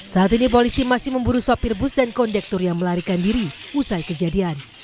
saat ini polisi masih memburu sopir bus dan kondektor yang melarikan diri usai kejadian